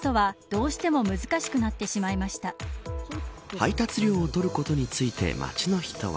配達料を取ることについて街の人は。